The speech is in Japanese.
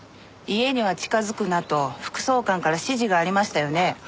家には近づくなと副総監から指示がありましたよね？